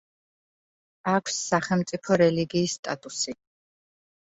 აქვს სახელმწიფო რელიგიის სტატუსი.